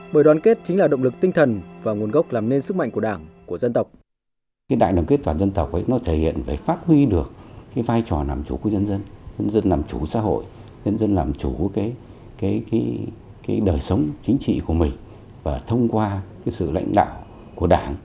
bởi đoàn kết chính là động lực tinh thần và nguồn gốc làm nên sức mạnh của đảng của dân tộc